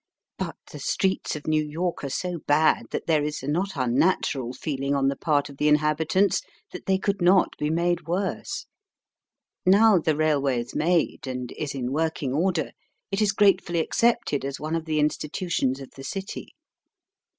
But the streets of New York are so bad that there is a not imnatural feeKng on the part of the inhabitants that they could not be made worse. Now the railway is made and is in working order it is gratefully accepted as one of the institutions of the city.